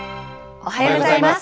おはようございます。